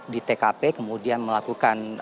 di tkp kemudian melakukan